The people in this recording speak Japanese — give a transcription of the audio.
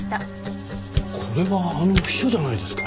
これはあの秘書じゃないですか？